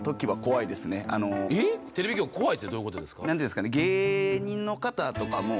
テレビ局怖いってどういうことですか？